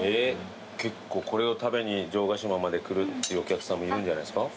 結構これを食べに城ヶ島まで来るっていうお客さんもいるんじゃないですか？